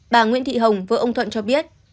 bà nguyễn thị hồng vợ ông thuận cho biết